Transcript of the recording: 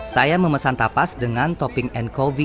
saya memesan tapas dengan topping enko